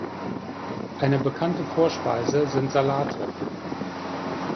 Eine bekannte Vorspeise sind Salate.